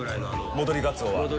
戻りガツオに。